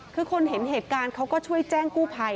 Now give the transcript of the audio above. คือคนเห็นเหตุการณ์เขาก็ช่วยแจ้งกู้ภัย